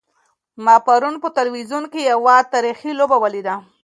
ما پرون په تلویزیون کې یوه تاریخي لوبه ولیده.